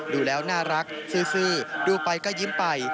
ดูแล้วน่ารักซื่อดูไปก็ยิ้มไป